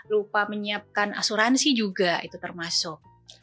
lupa menyiapkan asuransi juga itu termasuk